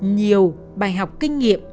nhiều bài học kinh nghiệm